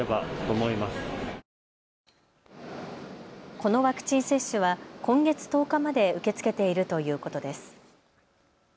このワクチン接種は今月１０日まで受け付けているということです。